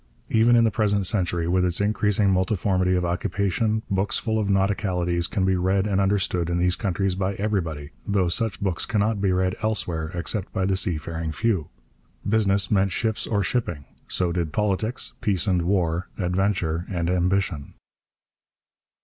Even in the present century, with its increasing multiformity of occupation, books full of nauticalities can be read and understood in these countries by everybody, though such books cannot be read elsewhere except by the seafaring few. Business meant ships or shipping; so did politics, peace and war, adventure and ambition.